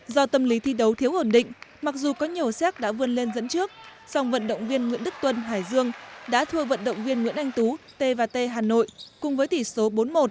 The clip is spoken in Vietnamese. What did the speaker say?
do tâm lý thi đấu thiếu ổn định mặc dù có nhiều séc đã vươn lên dẫn trước song vận động viên nguyễn đức tuân hải dương đã thưa vận động viên nguyễn anh tú t t hà nội cùng với tỷ số bốn một